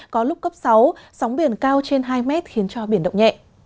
có lúc cấp sáu sóng biển cao trên hai mét khiến cho biển động nhẹ